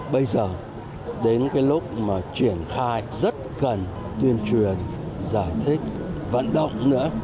bây giờ đến cái lúc mà triển khai rất cần tuyên truyền giải thích vận động nữa